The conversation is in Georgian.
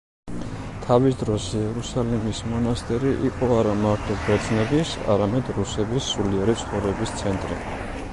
თავის დროზე იერუსალიმის მონასტერი იყო არამარტო ბერძნების, არამედ რუსების სულიერი ცხოვრების ცენტრი.